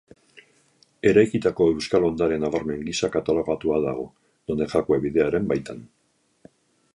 Eraikitako euskal ondare nabarmen gisa katalogatua dago, Donejakue bidearen baitan.